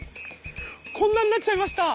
こんなになっちゃいました。